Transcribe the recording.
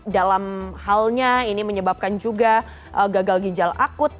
dalam halnya ini menyebabkan juga gagal ginjal akut